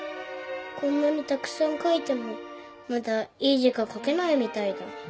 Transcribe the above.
こんなにたくさん書いてもまだいい字が書けないみたいだ。